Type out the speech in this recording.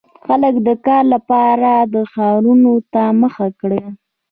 • خلک د کار لپاره ښارونو ته مخه کړه.